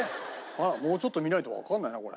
もうちょっと見ないとわかんないなこれ。